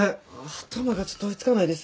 頭がちょっと追いつかないです。